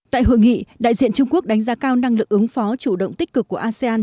tại hội nghị đại diện trung quốc đánh giá cao năng lực ứng phó chủ động tích cực của asean